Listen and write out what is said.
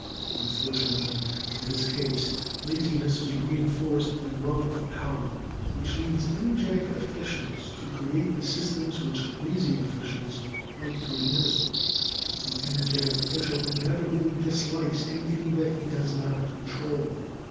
Unfortunately, in this case laziness is reinforced by love of power, which leads energetic officials to create the systems which lazy officials like to administer. The energetic official inevitably dislikes anything that he does not control.